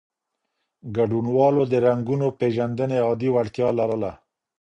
ګډونوالو د رنګونو پېژندنې عادي وړتیا لرله.